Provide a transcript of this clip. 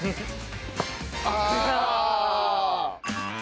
ああ。